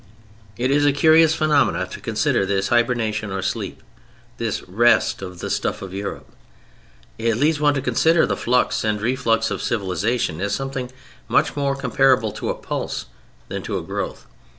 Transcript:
It is a curious phenomenon to consider: this hibernation, or sleep: this rest of the stuff of Europe. It leads one to consider the flux and reflux of civilization as something much more comparable to a pulse than to a growth.